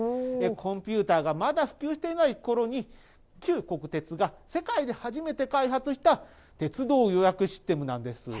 コンピューターがまだ普及していないころに、旧国鉄が世界で初めて開発した鉄道予約システムなんです。